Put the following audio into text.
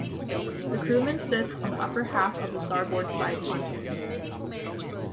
The Crewman sits on the upper half of the starboard side pontoon.